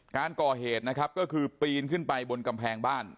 การก่อเหตุนะครับก็คือปีนขึ้นไปบนกำแพงบ้าน